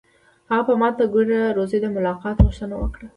هغه په ماته ګوډه روسي د ملاقات غوښتنه وکړه